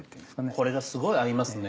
これがすごい合いますね。